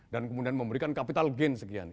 dan kemudian memberikan capital gain sekian